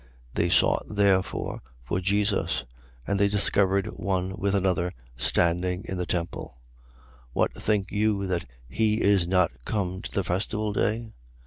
11:56. They sought therefore for Jesus; and they discoursed one with another, standing in the temple: What think you that he is not come to the festival day?